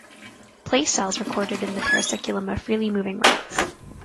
Place cells recorded in the parasubiculum of freely moving rats.